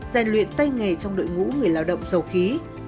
gian luyện tay nghề trong đội ngũ người lao động dầu khí